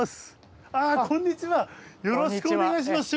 よろしくお願いします。